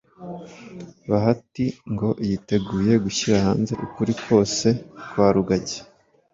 bahati ngo yiteguye gushyira hanze ukuri kwose kwa rugagi